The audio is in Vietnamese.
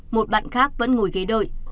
một bạn khác vẫn ngồi ghế đợi